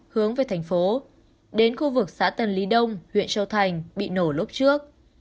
hướng về thành phố đến khu vực xã tần lý đông huyện châu thành bị nổ lúc trước